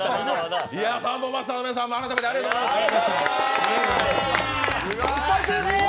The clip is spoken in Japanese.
サンボマスターの皆さんも改めて、ありがとうございます。